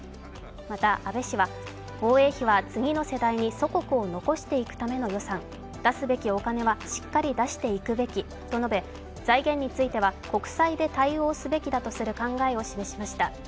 また、安倍氏は、防衛費は次の世代に祖国を残していくための予算、出すべきお金はしっかり出していくべきと述べ、財源については、国債で対応すべきだとする考えを示しました。